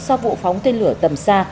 sau vụ phóng tên lửa tầm xa